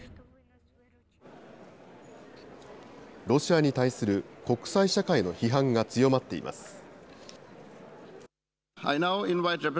ロシアに対する国際社会の批判が強まっています。